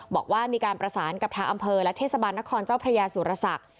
บอกว่ามีการประสานกับทางอำเภอและเทศบาลนครเจ้าพระยาสุรศักดิ์